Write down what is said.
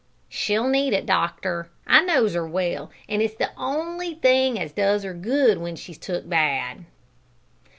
"She'll need it, doctor. I knows her well, an' it's the on'y thing as does her good w'en she's took bad."